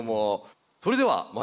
それではまいりましょうか。